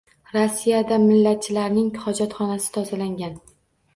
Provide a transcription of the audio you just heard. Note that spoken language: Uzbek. Rossiyada millatchilarning hojatxonasini tozalagan